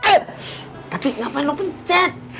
eh tapi ngapain lu pencet